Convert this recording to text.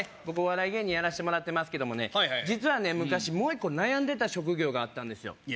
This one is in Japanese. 僕お笑い芸人やらせてもらってますけどもね実はね昔もう一個悩んでた職業があったんですよ